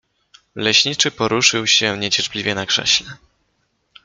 Leśniczy poruszył się niecierpliwie na krześle.